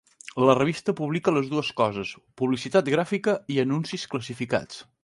La revista publica les dues coses: publicitat gràfica i anuncis classificats.